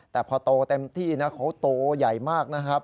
แต่พอโตเต็มที่นะเขาโตใหญ่มากนะครับ